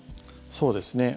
そうですね。